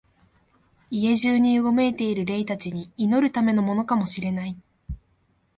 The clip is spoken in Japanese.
家中にうごめいている霊たちに祈るためのものかも知れない、